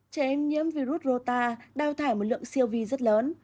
trẻ em nhiễm virus rô ta đào thải một lượng siêu vi rất lớn